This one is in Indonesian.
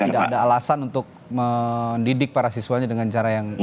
jadi tidak ada alasan untuk mendidik para siswanya dengan cara yang militer